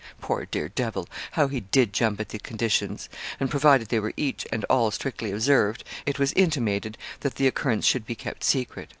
Poor dear devil! how he did jump at the conditions; and provided they were each and all strictly observed, it was intimated that the occurrence should be kept secret.